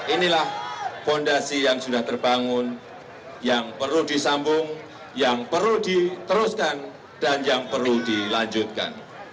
inilah fondasi yang sudah terbangun yang perlu disambung yang perlu diteruskan dan yang perlu dilanjutkan